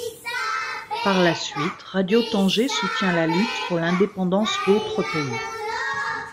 Par la suite Radio Tanger soutient la lutte pour l'indépendance d'autres pays.